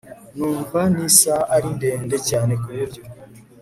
numva nisaha ari ndende cyane kuburyo